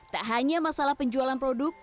tak hanya masalah penjualan produk